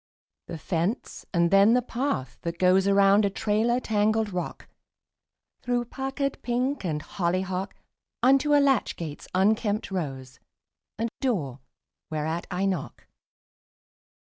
The fence; and then the path that goes Around a trailer tangled rock, Through puckered pink and hollyhock, Unto a latch gate's unkempt rose, And door whereat I knock.